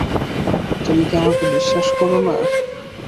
তুমি কি আমাকে বিশ্বাস করো না?